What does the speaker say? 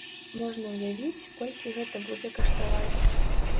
Можна ўявіць, колькі гэта будзе каштаваць.